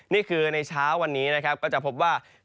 นี่คือในเช้าวันนี้นะครับก็จะพบว่า